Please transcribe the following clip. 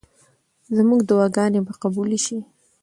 زموږ دعاګانې به قبولې شي.